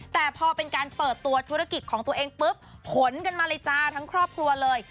แต่พอเป็นการเปิดตัวธุรกิจของตัวเองปุ๊บผลกันมาเลยจ้าทั้งครอบครัวเลย